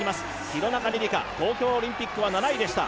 廣中璃梨佳、東京オリンピックは７位でした。